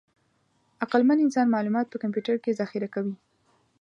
عقلمن انسان معلومات په کمپیوټر کې ذخیره کوي.